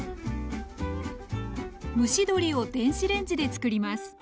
蒸し鶏を電子レンジで作ります。